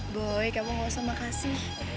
boy kamu gak usah makasih